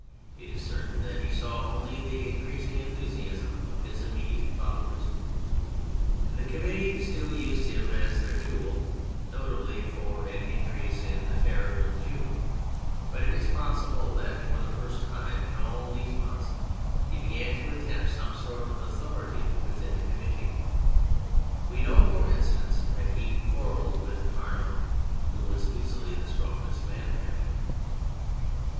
It is certain that he saw only the increasing enthusiasm of his immediate followers. The Committee still used him as their tool — notably for an increase of the Terror in June, but it is possible that for the first time in all these months he began to attempt some sort of authority within the Committee : we know, for instance, that he quarrelled with Carnot, who was easily the strongest man therein.